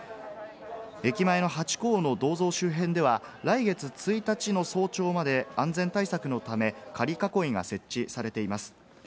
駅前のハチ公の銅像周辺では、来月１日の早朝まで安全対策のため、仮囲いが設置されています。